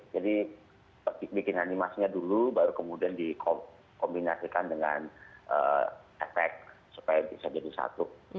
jadi bikin animasinya dulu baru kemudian dikombinasikan dengan efek supaya bisa jadi satu